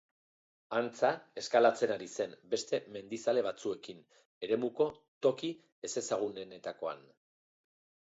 Antza, eskalatzen ari zen, beste mendizale batzuekin, eremuko toki ezagunenetakoan.